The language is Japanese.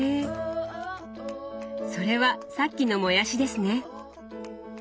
それはさっきのもやしですね。